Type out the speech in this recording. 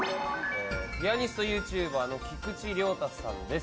ピアニストＹｏｕＴｕｂｅｒの菊池亮太さんです